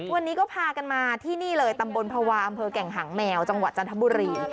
วันนี้ก็พากันมาที่นี่เลยตำบลภาวะอำเภอแก่งหางแมวจังหวัดจันทบุรี